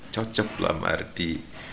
cocok dalam arti